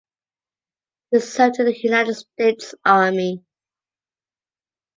He served in the United States Army.